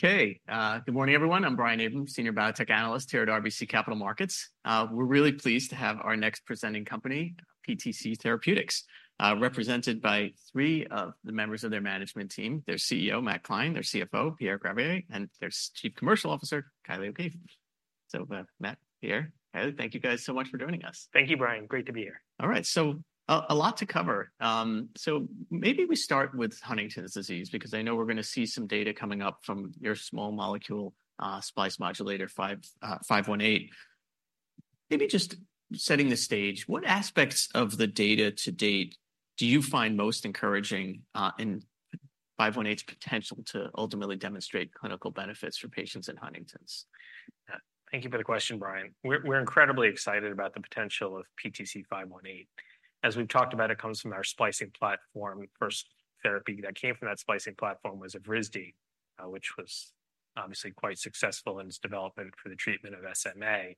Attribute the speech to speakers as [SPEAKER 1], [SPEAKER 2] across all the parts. [SPEAKER 1] Okay, good morning, everyone. I'm Brian Abrahams, Senior Biotech Analyst here at RBC Capital Markets. We're really pleased to have our next presenting company, PTC Therapeutics, represented by three of the members of their management team: their CEO, Matt Klein; their CFO, Pierre Gravier; and their Chief Commercial Officer, Kylie O'Keefe. So, Matt, Pierre, Kylie, thank you guys so much for joining us.
[SPEAKER 2] Thank you, Brian. Great to be here.
[SPEAKER 1] All right, a lot to cover. Maybe we start with Huntington's disease, because I know we're going to see some data coming up from your small molecule, splice modulator, 518. Maybe just setting the stage, what aspects of the data to date do you find most encouraging in 518's potential to ultimately demonstrate clinical benefits for patients in Huntington's?
[SPEAKER 2] Thank you for the question, Brian. We're incredibly excited about the potential of PTC518. As we've talked about, it comes from our splicing platform. First therapy that came from that splicing platform was Evrisdi, which was obviously quite successful in its development for the treatment of SMA.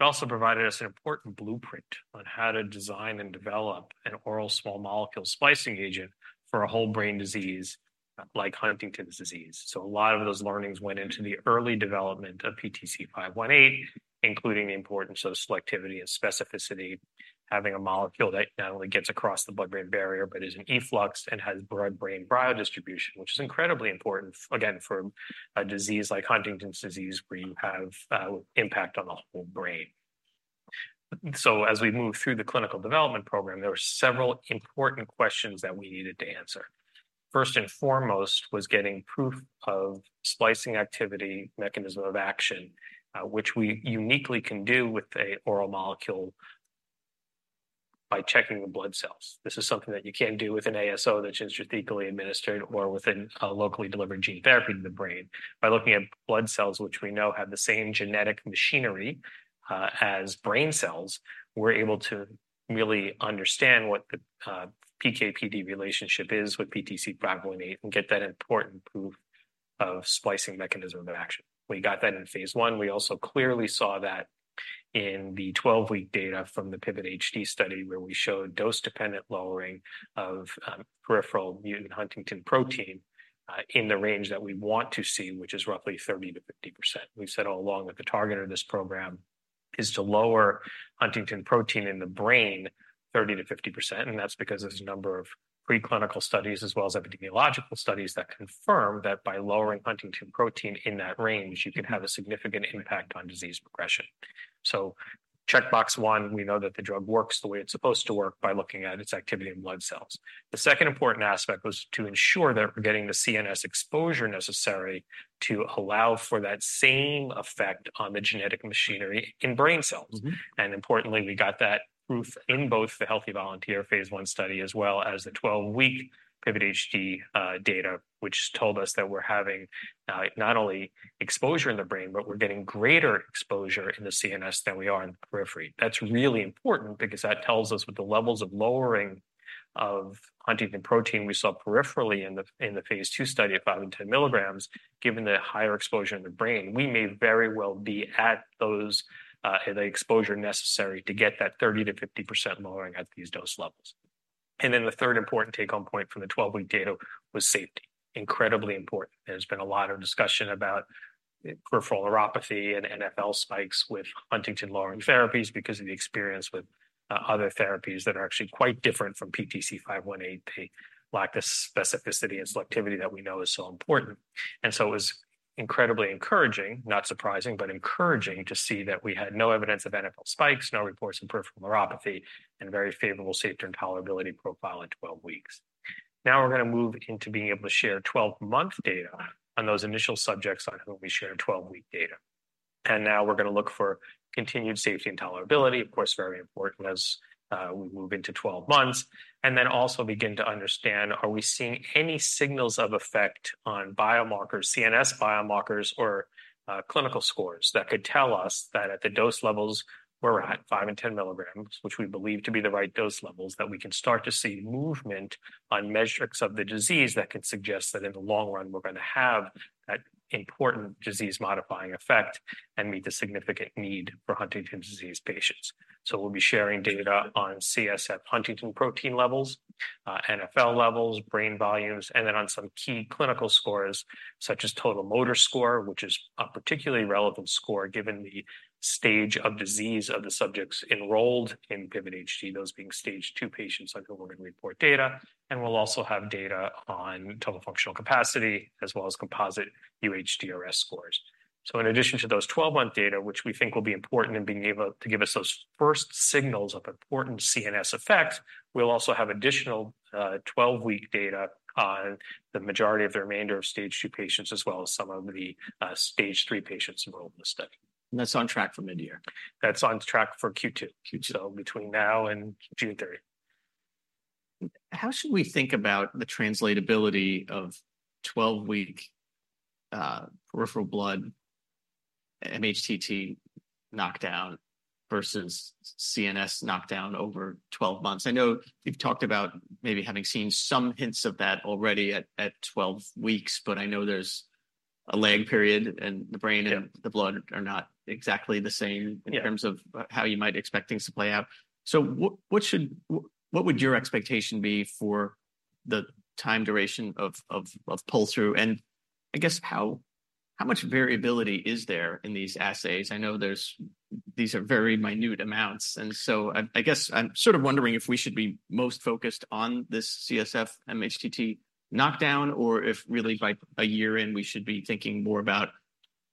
[SPEAKER 2] It also provided us an important blueprint on how to design and develop an oral small molecule splicing agent for a whole brain disease, like Huntington's disease. So a lot of those learnings went into the early development of PTC518, including the importance of selectivity and specificity, having a molecule that not only gets across the blood-brain barrier but is in efflux and has blood-brain biodistribution, which is incredibly important, again, for a disease like Huntington's disease where you have impact on the whole brain. So as we move through the clinical development program, there were several important questions that we needed to answer. First and foremost was getting proof of splicing activity, mechanism of action, which we uniquely can do with an oral molecule by checking the blood cells. This is something that you can't do with an ASO that's intrathecally administered or within locally delivered gene therapy to the brain. By looking at blood cells, which we know have the same genetic machinery as brain cells, we're able to really understand what the PKPD relationship is with PTC518 and get that important proof of splicing mechanism of action. We got that in phase I. We also clearly saw that in the 12-week data from the PIVOT-HD study where we showed dose-dependent lowering of peripheral mutant Huntingtin protein in the range that we want to see, which is roughly 30%-50%. We've said all along that the target of this program is to lower Huntingtin protein in the brain 30%-50%, and that's because there's a number of preclinical studies as well as epidemiological studies that confirm that by lowering Huntingtin protein in that range, you can have a significant impact on disease progression. So checkbox one, we know that the drug works the way it's supposed to work by looking at its activity in blood cells. The second important aspect was to ensure that we're getting the CNS exposure necessary to allow for that same effect on the genetic machinery in brain cells. Importantly, we got that proof in both the healthy volunteer phase I study as well as the 12-week PIVOT-HD data, which told us that we're having not only exposure in the brain, but we're getting greater exposure in the CNS than we are in the periphery. That's really important because that tells us with the levels of lowering of Huntington protein we saw peripherally in the phase II study at 5 mg and 10 mg, given the higher exposure in the brain, we may very well be at those, the exposure necessary to get that 30%-50% lowering at these dose levels. And then the third important take-home point from the 12-week data was safety. Incredibly important. There's been a lot of discussion about peripheral neuropathy and NfL spikes with Huntington-lowering therapies because of the experience with other therapies that are actually quite different from PTC518. They lack the specificity and selectivity that we know is so important. And so it was incredibly encouraging, not surprising, but encouraging, to see that we had no evidence of NfL spikes, no reports of peripheral neuropathy, and very favorable safety and tolerability profile in 12 weeks. Now we're going to move into being able to share 12-month data on those initial subjects on whom we shared 12-week data. And now we're going to look for continued safety and tolerability, of course, very important as we move into 12 months. Then also begin to understand, are we seeing any signals of effect on biomarkers, CNS biomarkers or clinical scores, that could tell us that at the dose levels we're at, 5 mg and 10 mg, which we believe to be the right dose levels, that we can start to see movement on metrics of the disease that can suggest that in the long run we're going to have that important disease-modifying effect and meet the significant need for Huntington's disease patients. So we'll be sharing data on CSF Huntingtin protein levels, NfL levels, brain volumes, and then on some key clinical scores such as Total Motor Score, which is a particularly relevant score given the stage of disease of the subjects enrolled in PIVOT-HD, those being stage two patients on whom we're going to report data. We'll also have data on Total Functional Capacity as well as Composite UHDRS scores. So in addition to those 12-month data, which we think will be important in being able to give us those first signals of important CNS effects, we'll also have additional 12-week data on the majority of the remainder of stage two patients as well as some of the stage three patients enrolled in the study.
[SPEAKER 1] That's on track for mid-year?
[SPEAKER 2] That's on track for Q2. So between now and June 30th.
[SPEAKER 1] How should we think about the translatability of 12-week, peripheral blood MHTT knockdown versus CNS knockdown over 12 months? I know you've talked about maybe having seen some hints of that already at 12 weeks, but I know there's a lag period and the brain and the blood are not exactly the same in terms of how you might expect things to play out. So what would your expectation be for the time duration of pull-through? And I guess how much variability is there in these assays? I know these are very minute amounts. And so I guess I'm sort of wondering if we should be most focused on this CSF MHTT knockdown, or if really by a year in we should be thinking more about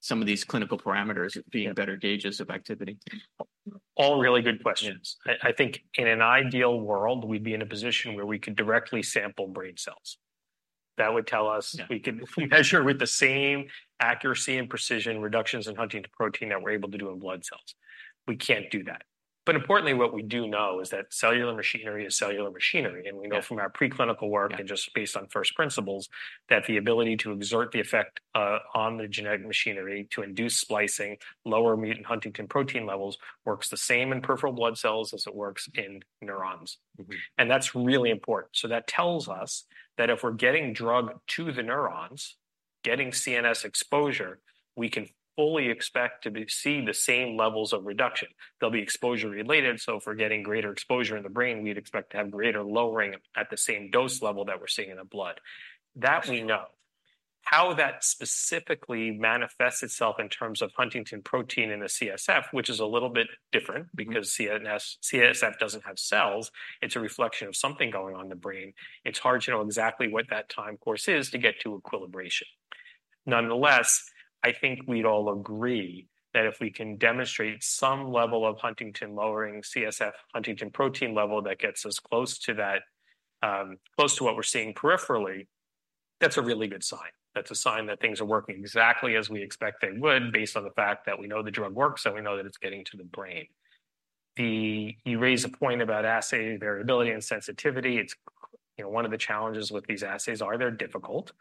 [SPEAKER 1] some of these clinical parameters as being better gauges of activity?
[SPEAKER 2] All really good questions. I think in an ideal world, we'd be in a position where we could directly sample brain cells. That would tell us we could measure with the same accuracy and precision reductions in Huntingtin protein that we're able to do in blood cells. We can't do that. But importantly, what we do know is that cellular machinery is cellular machinery. And we know from our preclinical work and just based on first principles that the ability to exert the effect, on the genetic machinery to induce splicing, lower mutant Huntingtin protein levels, works the same in peripheral blood cells as it works in neurons. And that's really important. So that tells us that if we're getting drug to the neurons, getting CNS exposure, we can fully expect to see the same levels of reduction. They'll be exposure-related. So if we're getting greater exposure in the brain, we'd expect to have greater lowering at the same dose level that we're seeing in the blood. That we know. How that specifically manifests itself in terms of Huntingtin protein in the CSF, which is a little bit different because CNS CSF doesn't have cells. It's a reflection of something going on in the brain. It's hard to know exactly what that time course is to get to equilibration. Nonetheless, I think we'd all agree that if we can demonstrate some level of Huntingtin lowering CSF Huntingtin protein level that gets us close to that, close to what we're seeing peripherally. That's a really good sign. That's a sign that things are working exactly as we expect they would based on the fact that we know the drug works and we know that it's getting to the brain. You raise a point about assay variability and sensitivity. It's, you know, one of the challenges with these assays. Are they difficult?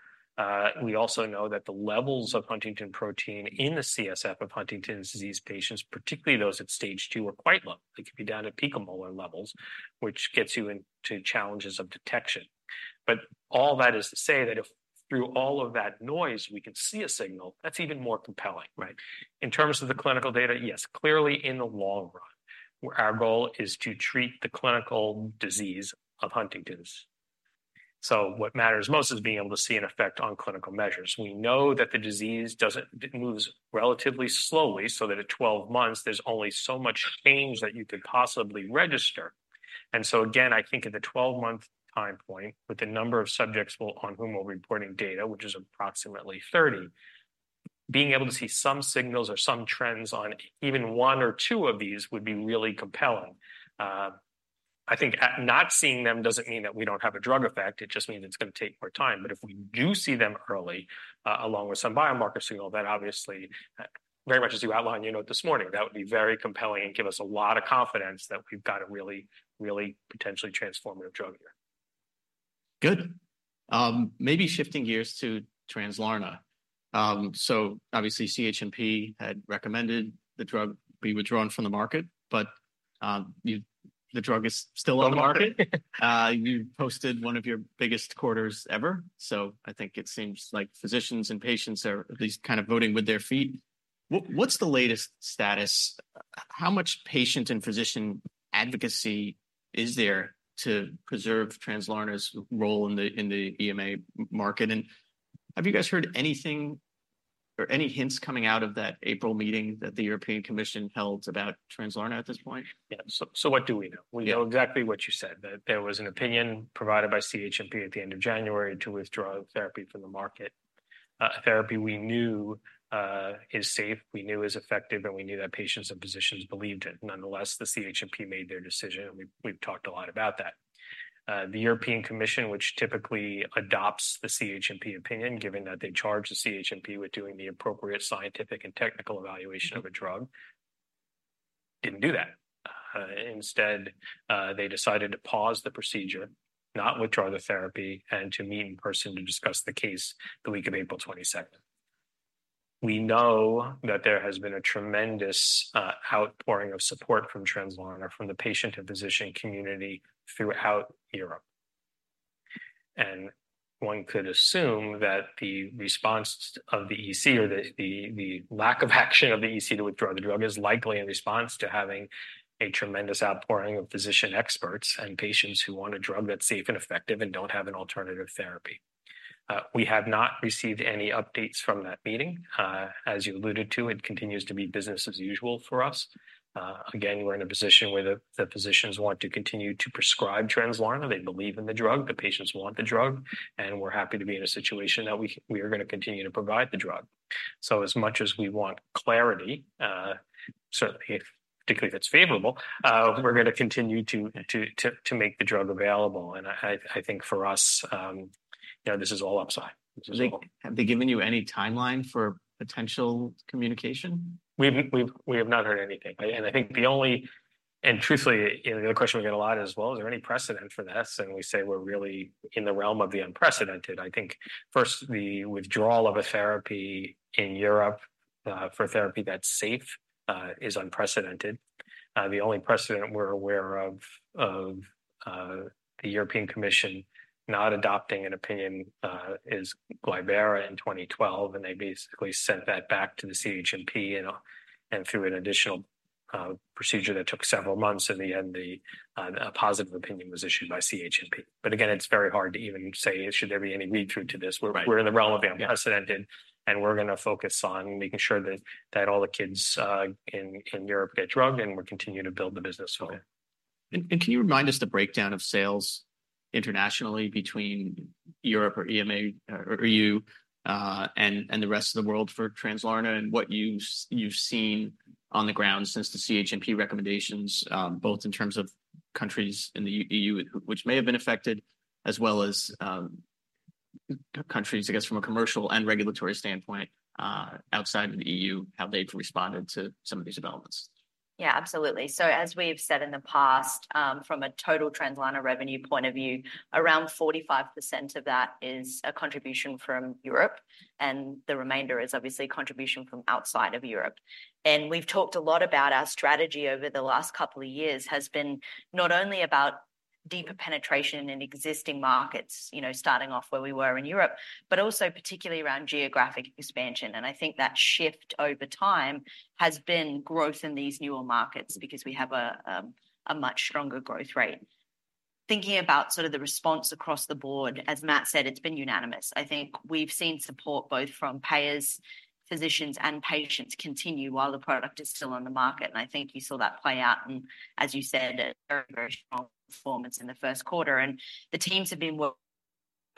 [SPEAKER 2] We also know that the levels of Huntingtin protein in the CSF of Huntingtin's disease patients, particularly those at stage two, are quite low. They could be down at picomolar levels, which gets you into challenges of detection. But all that is to say that if through all of that noise we can see a signal, that's even more compelling, right? In terms of the clinical data, yes, clearly in the long run, where our goal is to treat the clinical disease of Huntington's. So what matters most is being able to see an effect on clinical measures. We know that the disease doesn't move relatively slowly, so that at 12 months there's only so much change that you could possibly register. So again, I think at the 12-month time point, with the number of subjects on whom we're reporting data, which is approximately 30. Being able to see some signals or some trends on even one or two of these would be really compelling. I think not seeing them doesn't mean that we don't have a drug effect. It just means it's going to take more time. But if we do see them early, along with some biomarker signal, that obviously, very much as you outlined, you know, this morning, that would be very compelling and give us a lot of confidence that we've got a really, really potentially transformative drug here.
[SPEAKER 1] Good. Maybe shifting gears to Translarna. So obviously CHMP had recommended the drug be withdrawn from the market, but, you the drug is still on the market. You posted one of your biggest quarters ever. So I think it seems like physicians and patients are at least kind of voting with their feet. What's the latest status? How much patient and physician advocacy is there to preserve Translarna's role in the EMA market? And have you guys heard anything or any hints coming out of that April meeting that the European Commission held about Translarna at this point?
[SPEAKER 2] Yeah. So so what do we know? We know exactly what you said, that there was an opinion provided by CHMP at the end of January to withdraw therapy from the market. Therapy we knew is safe, we knew is effective, and we knew that patients and physicians believed it. Nonetheless, the CHMP made their decision, and we've talked a lot about that. The European Commission, which typically adopts the CHMP opinion, given that they charge the CHMP with doing the appropriate scientific and technical evaluation of a drug, didn't do that. Instead, they decided to pause the procedure, not withdraw the therapy, and to meet in person to discuss the case the week of April 22nd. We know that there has been a tremendous outpouring of support from Translarna, from the patient and physician community throughout Europe. One could assume that the response of the EC or the lack of action of the EC to withdraw the drug is likely in response to having a tremendous outpouring of physician experts and patients who want a drug that's safe and effective and don't have an alternative therapy. We have not received any updates from that meeting. As you alluded to, it continues to be business as usual for us. Again, we're in a position where the physicians want to continue to prescribe Translarna. They believe in the drug. The patients want the drug. And we're happy to be in a situation that we are going to continue to provide the drug. So as much as we want clarity, certainly if particularly if it's favorable, we're going to continue to make the drug available. And I think for us, you know, this is all upside. This is all.
[SPEAKER 1] Have they given you any timeline for potential communication?
[SPEAKER 2] We have not heard anything. And I think, truthfully, you know, the other question we get a lot as well is, are there any precedent for this? And we say we're really in the realm of the unprecedented. I think first, the withdrawal of a therapy in Europe, for therapy that's safe, is unprecedented. The only precedent we're aware of, the European Commission not adopting an opinion, is Glybera in 2012, and they basically sent that back to the CHMP and through an additional procedure that took several months. In the end, a positive opinion was issued by CHMP. But again, it's very hard to even say, should there be any read-through to this? We're in the realm of the unprecedented, and we're going to focus on making sure that all the kids in Europe get drugged, and we'll continue to build the business home.
[SPEAKER 1] Can you remind us the breakdown of sales internationally between Europe or EMA or EU, and the rest of the world for Translarna and what you've seen on the ground since the CHMP recommendations, both in terms of countries in the EU, which may have been affected, as well as countries, I guess, from a commercial and regulatory standpoint, outside of the EU, how they've responded to some of these developments?
[SPEAKER 3] Yeah, absolutely. So as we've said in the past, from a total Translarna revenue point of view, around 45% of that is a contribution from Europe, and the remainder is obviously contribution from outside of Europe. And we've talked a lot about our strategy over the last couple of years has been not only about deeper penetration in existing markets, you know, starting off where we were in Europe, but also particularly around geographic expansion. And I think that shift over time has been growth in these newer markets because we have a much stronger growth rate. Thinking about sort of the response across the board, as Matt said, it's been unanimous. I think we've seen support both from payers, physicians, and patients continue while the product is still on the market. And I think you saw that play out. And as you said, a very, very strong performance in the first quarter. And the teams have been working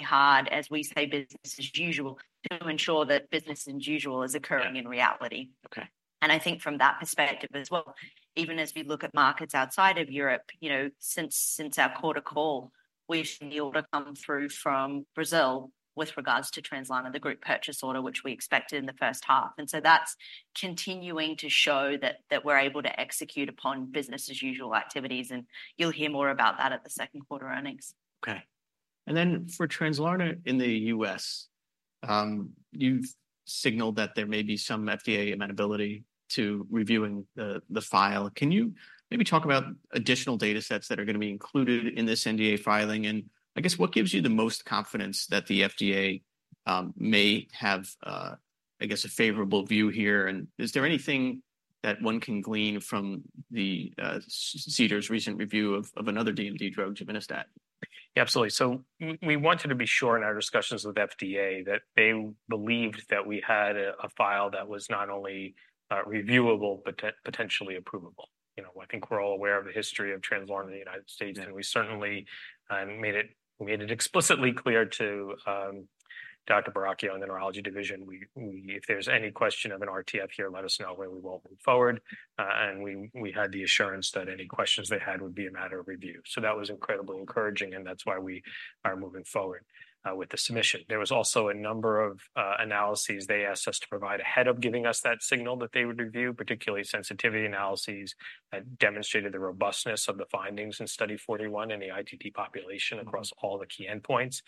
[SPEAKER 3] hard as we say business as usual to ensure that business as usual is occurring in reality. Okay. And I think from that perspective as well, even as we look at markets outside of Europe, you know, since our quarter call, we've seen the order come through from Brazil with regards to Translarna, the group purchase order, which we expected in the first half. And so that's continuing to show that we're able to execute upon business as usual activities. And you'll hear more about that at the second quarter earnings.
[SPEAKER 1] Okay. And then for Translarna in the U.S., you've signaled that there may be some FDA amenability to reviewing the file. Can you maybe talk about additional data sets that are going to be included in this NDA filing? And I guess what gives you the most confidence that the FDA may have, I guess, a favorable view here? And is there anything that one can glean from the CDER's recent review of another DMD drug, Duvyzat?
[SPEAKER 2] Yeah, absolutely. So we wanted to be sure in our discussions with the FDA that they believed that we had a file that was not only reviewable, but potentially approvable. You know, I think we're all aware of the history of Translarna in the United States, and we certainly made it explicitly clear to Dr. Buracchio in the neurology division. We if there's any question of an RTF here, let us know where we won't move forward. And we had the assurance that any questions they had would be a matter of review. So that was incredibly encouraging, and that's why we are moving forward with the submission. There was also a number of analyses they asked us to provide ahead of giving us that signal that they would review, particularly sensitivity analyses that demonstrated the robustness of the findings in Study 041 in the ITT population across all the key endpoints.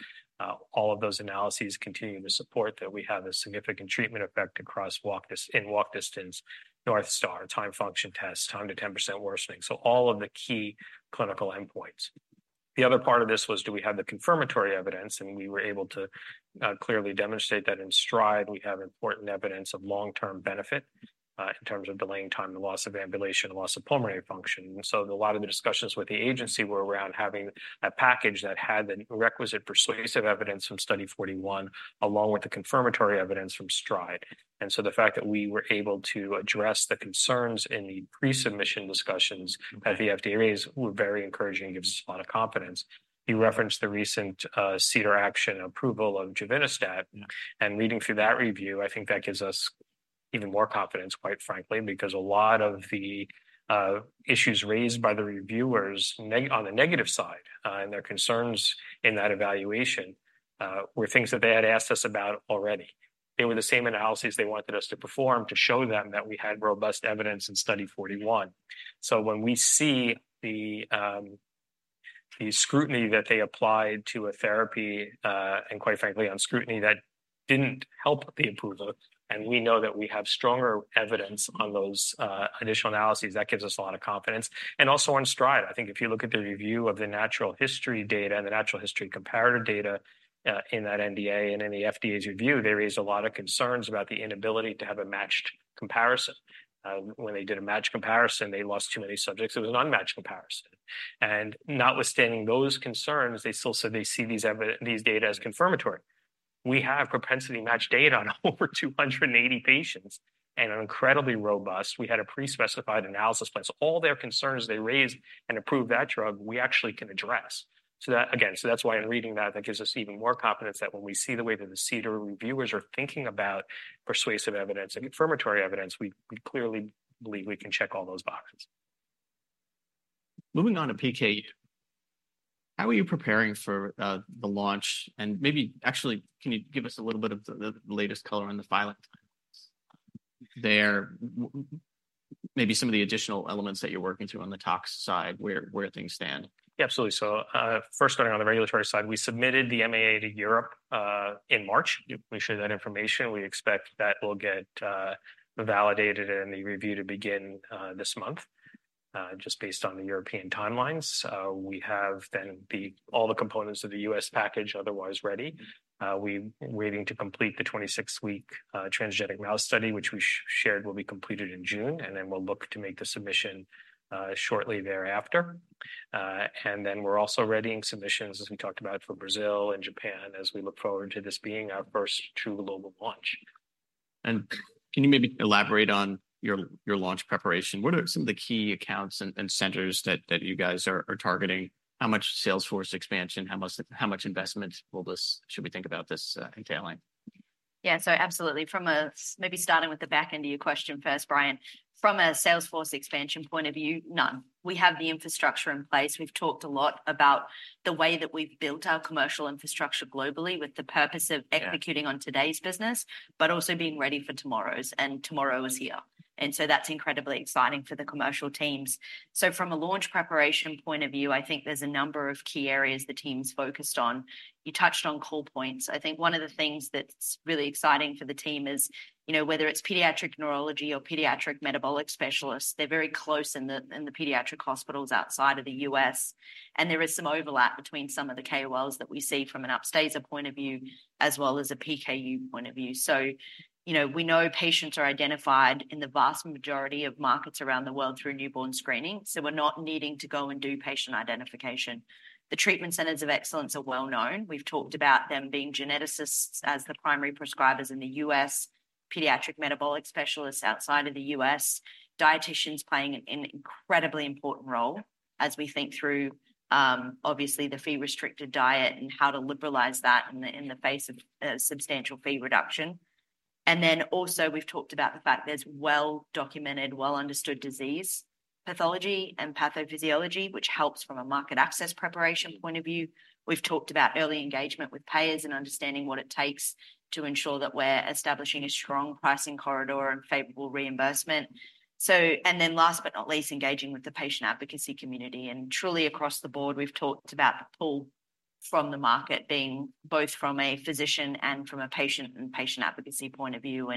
[SPEAKER 2] All of those analyses continue to support that we have a significant treatment effect across walk in walk distance, North Star, Timed Function Tests, time to 10% worsening. So all of the key clinical endpoints. The other part of this was, do we have the confirmatory evidence? And we were able to clearly demonstrate that in STRIDE we have important evidence of long-term benefit, in terms of delaying time and loss of ambulation, loss of pulmonary function. So a lot of the discussions with the agency were around having a package that had the requisite persuasive evidence from Study 041, along with the confirmatory evidence from STRIDE. So the fact that we were able to address the concerns in the pre-submission discussions at the FDA raised were very encouraging and gives us a lot of confidence. You referenced the recent CDER action approval of Duvyzat. Reading through that review, I think that gives us even more confidence, quite frankly, because a lot of the issues raised by the reviewers on the negative side, and their concerns in that evaluation, were things that they had asked us about already. They were the same analyses they wanted us to perform to show them that we had robust evidence in Study 041. So when we see the scrutiny that they applied to a therapy, and quite frankly, the scrutiny that didn't help the approval, and we know that we have stronger evidence on those additional analyses, that gives us a lot of confidence. And also on STRIDE, I think if you look at the review of the natural history data and the natural history comparative data, in that NDA and in the FDA's review, they raised a lot of concerns about the inability to have a matched comparison. When they did a matched comparison, they lost too many subjects. It was an unmatched comparison. And notwithstanding those concerns, they still said they see these data as confirmatory. We have propensity matched data on over 280 patients and an incredibly robust. We had a pre-specified analysis plan. So all their concerns they raised and approved that drug, we actually can address. So that's why, in reading that, that gives us even more confidence that when we see the way that the CDER reviewers are thinking about persuasive evidence and confirmatory evidence, we clearly believe we can check all those boxes.
[SPEAKER 1] Moving on to PKU. How are you preparing for the launch? And maybe actually, can you give us a little bit of the latest color on the filing timelines? There may be some of the additional elements that you're working through on the tox side, where things stand.
[SPEAKER 2] Yeah, absolutely. So, first starting on the regulatory side, we submitted the MAA to Europe in March. We share that information. We expect that will get validated and the review to begin this month. Just based on the European timelines, we have all the components of the U.S. package otherwise ready. We're waiting to complete the 26-week transgenic mouse study, which we shared will be completed in June, and then we'll look to make the submission shortly thereafter. And then we're also readying submissions, as we talked about, for Brazil and Japan as we look forward to this being our first true global launch.
[SPEAKER 1] Can you maybe elaborate on your launch preparation? What are some of the key accounts and centers that you guys are targeting? How much sales force expansion? How much investment will this should we think about this entailing?
[SPEAKER 3] Yeah, so absolutely. From a, maybe starting with the back end of your question first, Brian. From a Salesforce expansion point of view, none. We have the infrastructure in place. We've talked a lot about the way that we've built our commercial infrastructure globally with the purpose of executing on today's business, but also being ready for tomorrow's. And tomorrow is here. And so that's incredibly exciting for the commercial teams. So from a launch preparation point of view, I think there's a number of key areas the team's focused on. You touched on call points. I think one of the things that's really exciting for the team is, you know, whether it's pediatric neurology or pediatric metabolic specialists, they're very close in the pediatric hospitals outside of the U.S. There is some overlap between some of the KOLs that we see from a DMDs point of view as well as a PKU point of view. So, you know, we know patients are identified in the vast majority of markets around the world through newborn screening. So we're not needing to go and do patient identification. The treatment centers of excellence are well known. We've talked about them being geneticists as the primary prescribers in the U.S., pediatric metabolic specialists outside of the U.S., dieticians playing an incredibly important role as we think through, obviously the Phe-restricted diet and how to liberalize that in the face of a substantial Phe reduction. And then also we've talked about the fact there's well-documented, well-understood disease pathology and pathophysiology, which helps from a market access preparation point of view. We've talked about early engagement with payers and understanding what it takes to ensure that we're establishing a strong pricing corridor and favorable reimbursement. And then last but not least, engaging with the patient advocacy community. And truly across the board, we've talked about the pool from the market being both from a physician and from a patient and patient advocacy point of view.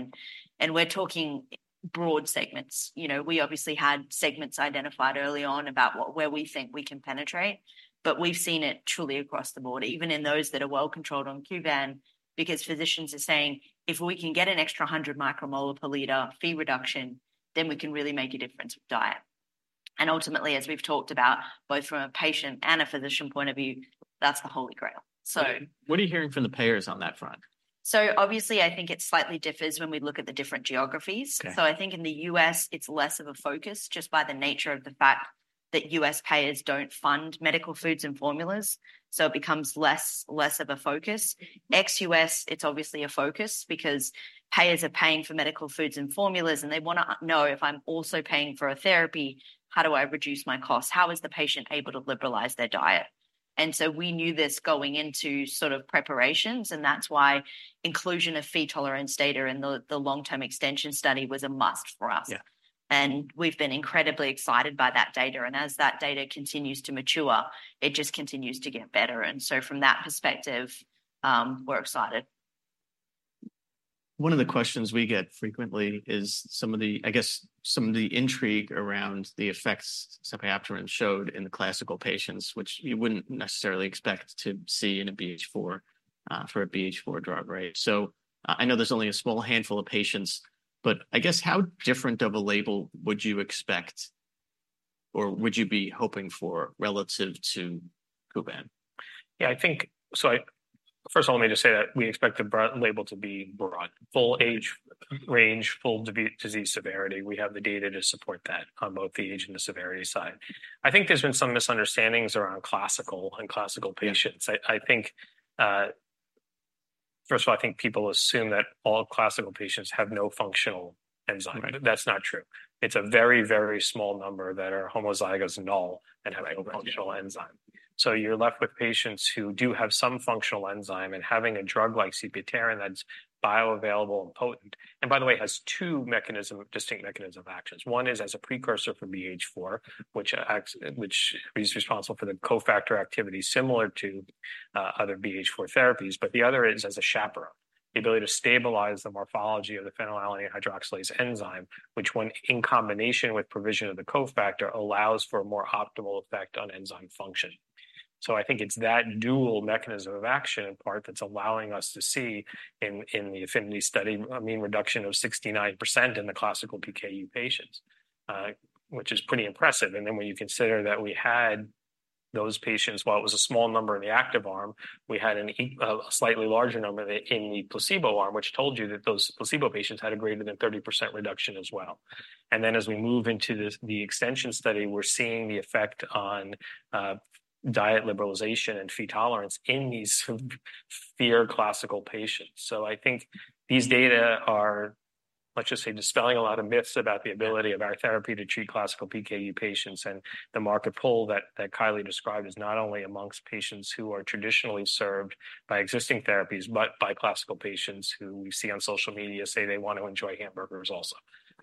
[SPEAKER 3] And we're talking broad segments. You know, we obviously had segments identified early on about where we think we can penetrate. But we've seen it truly across the board, even in those that are well controlled on Kuvan, because physicians are saying, if we can get an extra 100 micromolar per liter Phe reduction, then we can really make a difference with diet. And ultimately, as we've talked about, both from a patient and a physician point of view, that's the Holy Grail.
[SPEAKER 1] What are you hearing from the payers on that front?
[SPEAKER 3] So obviously, I think it slightly differs when we look at the different geographies. So I think in the U.S., it's less of a focus just by the nature of the fact that U.S. payers don't fund medical foods and formulas. So it becomes less of a focus. Ex-U.S., it's obviously a focus because payers are paying for medical foods and formulas, and they want to know if I'm also paying for a therapy, how do I reduce my costs? How is the patient able to liberalize their diet? And so we knew this going into sort of preparations, and that's why inclusion of Phe tolerance data in the long-term extension study was a must for us. Yeah. And we've been incredibly excited by that data. And as that data continues to mature, it just continues to get better. And so from that perspective, we're excited.
[SPEAKER 1] One of the questions we get frequently is some of the intrigue around the effects sepiapterin showed in the classical patients, which you wouldn't necessarily expect to see in a BH4 for a BH4 drug rate. So I know there's only a small handful of patients, but I guess how different of a label would you expect? Or would you be hoping for relative to Kuvan?
[SPEAKER 2] Yeah, I think so. I first of all, let me just say that we expect the label to be broad. Full age range, full disease severity. We have the data to support that on both the age and the severity side. I think there's been some misunderstandings around classical and classical patients. I I think, first of all, I think people assume that all classical patients have no functional enzyme. That's not true. It's a very, very small number that are homozygous null and have no functional enzyme. So you're left with patients who do have some functional enzyme and having a drug like sepiapterin that's bioavailable and potent, and by the way, has two mechanism distinct mechanism of actions. One is as a precursor for BH4, which acts which is responsible for the cofactor activity similar to other BH4 therapies. But the other is as a chaperone, the ability to stabilize the morphology of the phenylalanine hydroxylase enzyme, which when in combination with provision of the cofactor allows for a more optimal effect on enzyme function. So I think it's that dual mechanism of action in part that's allowing us to see in the APHINITY study a mean reduction of 69% in the classical PKU patients. Which is pretty impressive. And then when you consider that we had those patients, while it was a small number in the active arm, we had a slightly larger number in the placebo arm, which told you that those placebo patients had a greater than 30% reduction as well. And then as we move into the extension study, we're seeing the effect on diet liberalization and Phe tolerance in these severe classical patients. So I think these data are, let's just say, dispelling a lot of myths about the ability of our therapy to treat classical PKU patients. And the market pull that that Kylie described is not only amongst patients who are traditionally served by existing therapies, but by classical patients who we see on social media say they want to enjoy hamburgers also.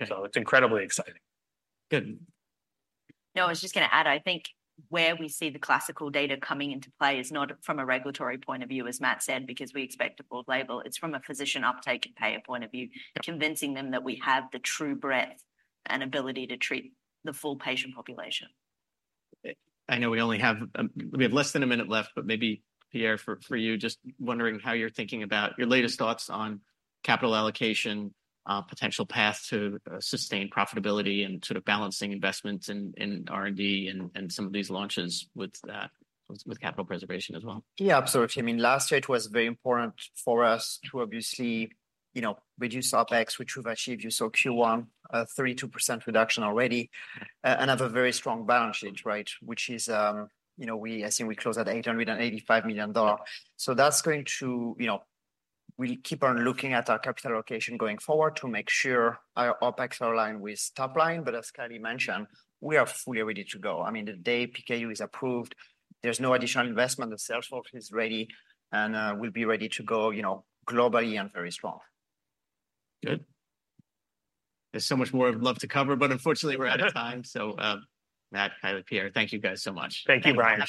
[SPEAKER 2] So it's incredibly exciting.
[SPEAKER 1] Good.
[SPEAKER 3] No, I was just going to add. I think where we see the clinical data coming into play is not from a regulatory point of view, as Matt said, because we expect a broad label. It's from a physician uptake and payer point of view, convincing them that we have the true breadth and ability to treat the full patient population.
[SPEAKER 1] I know we only have less than a minute left, but maybe, Pierre, for you, just wondering how you're thinking about your latest thoughts on capital allocation, potential path to sustained profitability, and sort of balancing investments in R&D and some of these launches with capital preservation as well.
[SPEAKER 4] Yeah, absolutely. I mean, last year it was very important for us to obviously, you know, reduce OpEx, which we've achieved. You saw Q1 a 32% reduction already. And I have a very strong balance sheet, right? Which is, you know, I think we closed at $885 million. So that's going to, you know we'll keep on looking at our capital allocation going forward to make sure our OpEx are aligned with top line. But as Kylie mentioned, we are fully ready to go. I mean, the day PKU is approved. There's no additional investment. The sales force is ready and will be ready to go, you know, globally and very strong.
[SPEAKER 1] Good. There's so much more I'd love to cover, but unfortunately we're out of time. So, Matt, Kylie, Pierre, thank you guys so much.
[SPEAKER 2] Thank you, Brian.